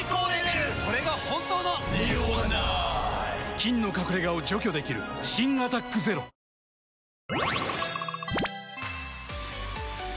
菌の隠れ家を除去できる新「アタックＺＥＲＯ」・チーン